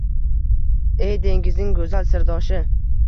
Ey dengizning go’zal sirdoshi?